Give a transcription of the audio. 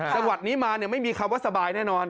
จังหวัดนี้มาไม่มีคำว่าสบายแน่นอน